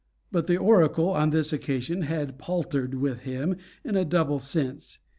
But the oracle on this occasion had "paltered" with him in a double sense.